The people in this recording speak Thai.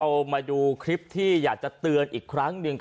เอามาดูคลิปที่อยากจะเตือนอีกครั้งหนึ่ง